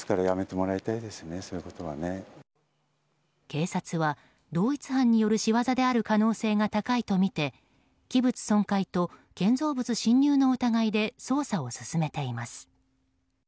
警察は、同一犯による仕業である可能性が高いとみて器物損壊と建造物侵入の疑いで捜査を進めています。